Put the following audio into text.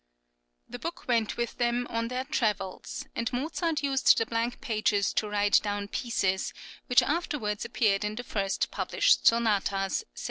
The book went with them on their travels, and Mozart used the blank pages to write down pieces, which afterwards appeared in the first published sonatas (1763).